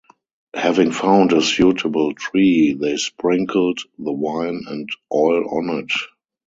Having found a suitable tree, they sprinkled the wine and oil on it.